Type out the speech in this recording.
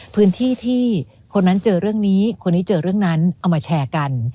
พื้นที่ที่คนนั้นเจอเรื่องนี้คนนี้เจอเรื่องนั้นเอามาแชร์กัน